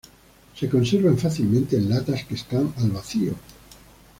Se conservan fácilmente en latas que están al vacío.